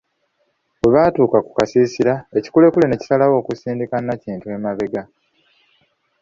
Bwe batuuka ku kasiisira ekikulekule ne kisalawo okusindika Nakintu emabega .